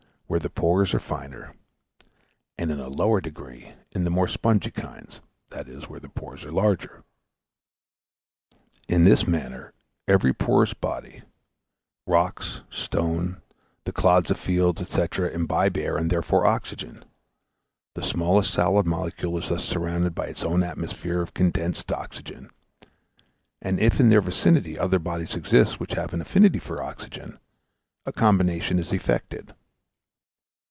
where the pores are finer; and in a lower degree in the more spongy kinds, i.e. where the pores are larger. In this manner every porous body rocks, stones, the clods of the fields, &c., imbibe air, and therefore oxygen; the smallest solid molecule is thus surrounded by its own atmosphere of condensed oxygen; and if in their vicinity other bodies exist which have an affinity for oxygen, a combination is effected.